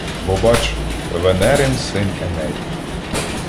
Бо, бач, Венерин син Еней.